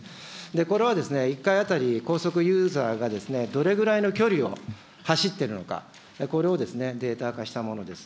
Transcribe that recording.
これは１回当たり高速ユーザーがどれぐらいの距離を走っているのか、これをデータ化したものです。